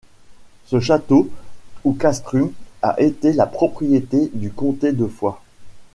Ce château ou Castrum a été la propriété du comté de Foix.